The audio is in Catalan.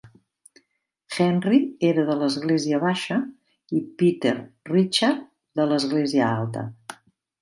Henry era de l'Església baixa i Peter Richard, de l'Església alta.